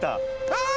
ああ！